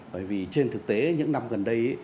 bởi vì trên thực tế những năm gần đây